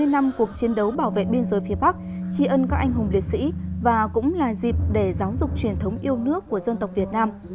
sáu mươi năm cuộc chiến đấu bảo vệ biên giới phía bắc chi ân các anh hùng liệt sĩ và cũng là dịp để giáo dục truyền thống yêu nước của dân tộc việt nam